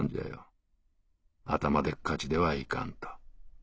頭でっかちではいかんと。